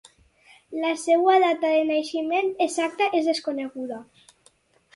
La seva data de naixement exacta és desconeguda.